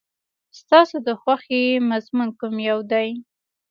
ستاسو د خوښې مضمون کوم یو دی؟